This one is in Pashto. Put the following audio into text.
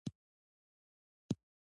د بادامو نوي باغونه جوړیږي